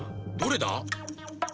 どれだ？